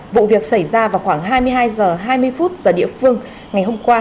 vụ việc xảy ra vào khoảng hai mươi hai h hai mươi giờ địa phương ngày hôm qua